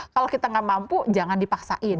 kalau kita nggak mampu jangan dipaksain